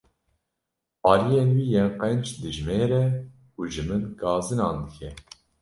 Aliyên wî yên qenc dijmêre û ji min gazinan dike.